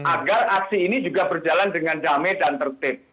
agar aksi ini juga berjalan dengan damai dan tertib